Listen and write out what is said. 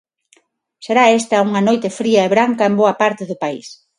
Será esta unha noite fría e branca en boa parte do país.